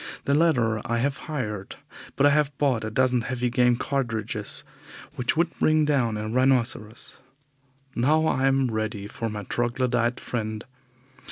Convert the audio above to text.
The latter I have hired, but I have bought a dozen heavy game cartridges, which would bring down a rhinoceros. Now I am ready for my troglodyte friend.